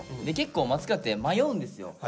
で結構松倉って迷うんですよ。